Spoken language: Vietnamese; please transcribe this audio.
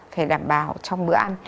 phải đảm bảo trong bữa ăn